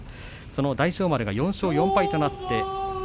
大翔丸が４勝４敗となりました。